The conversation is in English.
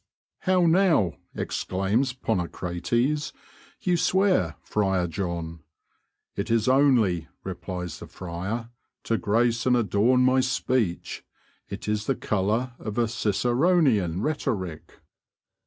"How now," exclaims Ponocrates, "you swear, Friar John!" "It is only," replies the friar, "to grace and adorn my speech; it is the colour of a Ciceronian rhetoric."